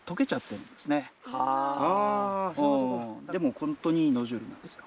でもほんとにいいノジュールなんですよ。